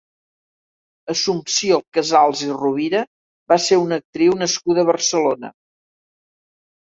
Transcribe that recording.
Assumpció Casals i Rovira va ser una actriu nascuda a Barcelona.